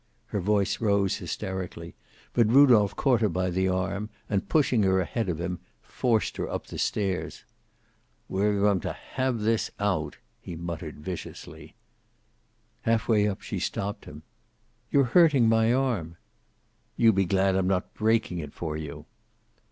Her voice rose hysterically, but Rudolph caught her by the arm, and pushing her ahead of him, forced her up the stairs. "We're going to have this out," he muttered, viciously. Half way up she stopped. "You're hurting my arm." "You be glad I'm not breaking it for you."